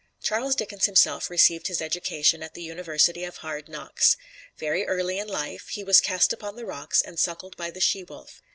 Charles Dickens himself received his education at the University of Hard Knocks. Very early in life he was cast upon the rocks and suckled by the she wolf.